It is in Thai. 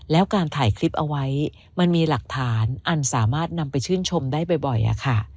แล้วการถ่ายคลิปเอาไว้มันมีหลักฐานอันสามารถนำไปชื่นชมได้บ่อยอะค่ะ